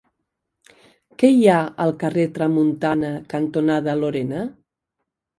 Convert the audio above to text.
Què hi ha al carrer Tramuntana cantonada Lorena?